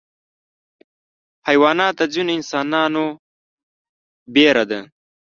حیوانات د ځینو انسانانو ویره ده.